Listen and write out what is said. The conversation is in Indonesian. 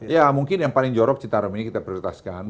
ya mungkin yang paling jorok citarum ini kita prioritaskan